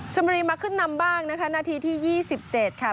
ชมรีมาขึ้นนำบ้างนะคะนาทีที่ยี่สิบเจ็ดค่ะ